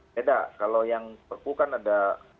tidak kalau yang pkpu kan ada